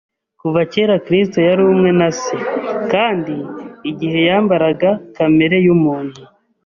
Kuva kera Kristo yari umwe na Se, kandi igihe yambaraga kamere y’umuntu,